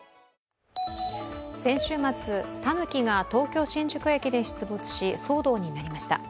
先週末、たぬきが東京・新宿駅で出没し、騒動になりました。